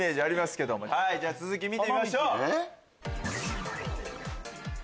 じゃあ続き見てみましょう。